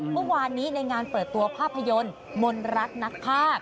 เมื่อวานนี้ในงานเปิดตัวภาพยนตร์มนรักนักภาค